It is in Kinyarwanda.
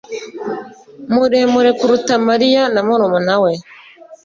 muremure kuruta Mariya na murumuna we.